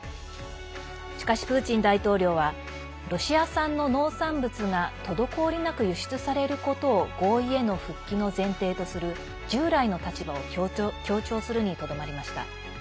しかし、プーチン大統領はロシア産の農産物が滞りなく輸出されることを合意への復帰の前提とする従来の立場を強調するにとどまりました。